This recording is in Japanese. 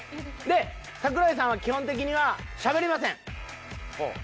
で桜井さんは基本的にはしゃべりません。